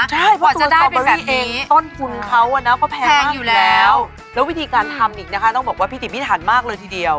ใช่เพราะตัวเจ้าบะหมี่เองต้นทุนเขาก็แพงมากอยู่แล้วแล้ววิธีการทำอีกนะคะต้องบอกว่าพิถีพิถันมากเลยทีเดียว